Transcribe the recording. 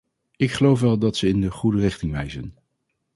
Ik geloof wel dat ze in de goede richting wijzen.